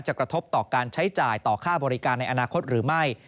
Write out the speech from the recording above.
กระทบต่อการใช้จ่ายต่อค่าบริการในอนาคตหรือไม่